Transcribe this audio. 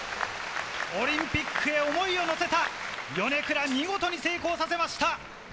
オリンピックへ思いを乗せたヨネクラ、見事に成功させました！